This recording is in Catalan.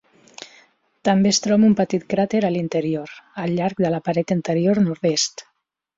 També es troba un petit cràter a l'interior, al llarg de la paret interior nord-est.